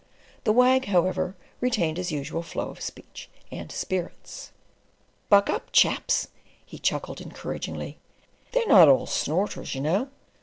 The Wag, however, retained his usual flow of speech and spirits. "Buck up, chaps!" he chuckled encouraging! "They're not all snorters, you know.